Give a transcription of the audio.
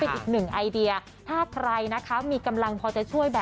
เราก็เลยได้มีการจัดหาแล้วก็นำมาบริจาคตรงนี้ค่ะ